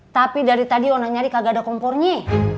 tapi dari tadi ona nyari kagak ada kompornya